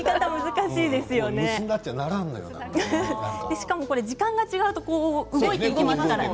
しかも時間が違うと動いていきますからね。